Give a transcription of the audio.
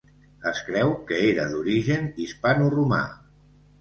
Es creu que era d'origen hispanoromà.